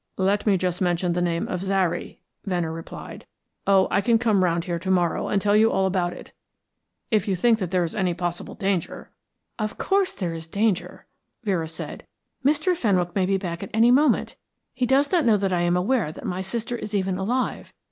"Let me just mention the name of Zary," Venner replied. "Oh, I can come round here to morrow and tell you all about it. If you think that there is any possible danger " "Of course there is danger," Vera said. "Mr. Fenwick may be back at any moment. He does not know that I am aware that my sister is even alive.